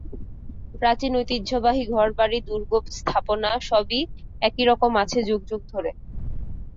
প্রাচীন ঐতিহ্যবাহী ঘরবাড়ি, দুর্গ, স্থাপনা সবই একই রকম আছে যুগ যুগ ধরে।